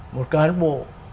một cán bộ